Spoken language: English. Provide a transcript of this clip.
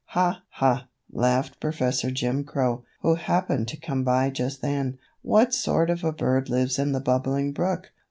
"Ha, ha!" laughed Professor Jim Crow, who happened to come by just then. "What sort of a bird lives in the Bubbling Brook?"